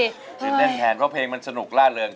ตื่นเต้นแทนเพราะเพลงมันสนุกล่าเริง